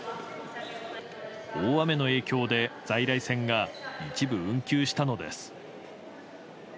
大雨の影響で在来線が一部運休したのです。